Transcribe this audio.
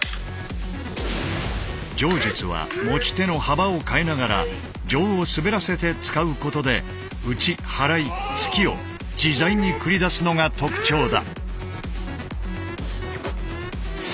杖術は持ち手の幅を変えながら杖を滑らせて使うことで打ち払い突きを自在に繰り出すのが特徴だ。